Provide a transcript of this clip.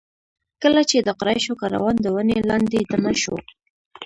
کله چې د قریشو کاروان د ونې لاندې دمه شو.